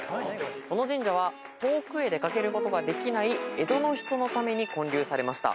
この神社は遠くへ出掛けることができない江戸の人のために建立されました。